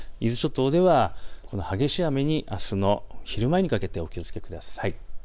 伊豆諸島では激しい雨にあすの昼前にかけてお気をつけください。